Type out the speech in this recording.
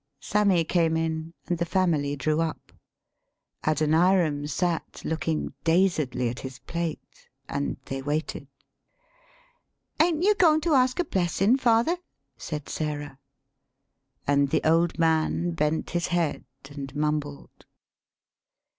Sammy came in, and the family drew up. Adoniram sat looking dazedly at his plate and they waited. "Ain't you goin' to ask a blessin', father?" [said Sarah.] And the old man bent his head and mumbled.